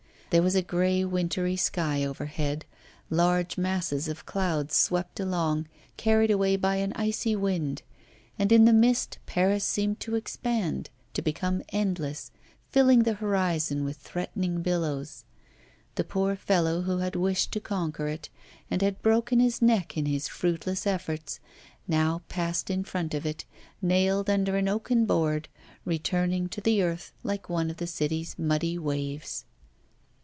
There was a grey wintry sky overhead, large masses of clouds swept along, carried away by an icy wind, and in the mist Paris seemed to expand, to become endless, filling the horizon with threatening billows. The poor fellow who had wished to conquer it, and had broken his neck in his fruitless efforts, now passed in front of it, nailed under an oaken board, returning to the earth like one of the city's muddy waves.